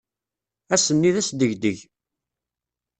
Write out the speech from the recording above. Ass-nni d asdegdeg.